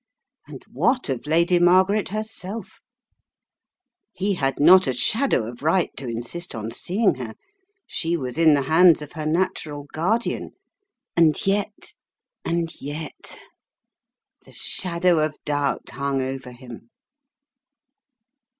And what of Lady Margaret herself? He had not a shadow of right to insist on <*4 The Riddle of the Purple Emperor seeing her. She was in the hands of her natural guardian, and yet, and yet ! The shadow of doubt hung over him.